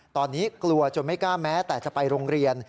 ตอนนี้กลัวจนไม่กล้าแม้แต่จะไปโรงเรียน